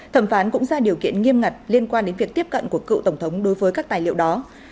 thẩm phán cũng ra điều kiện nghiêm ngặt liên quan đến việc tiếp cận của cựu tổng thống đối với các tài liệu đó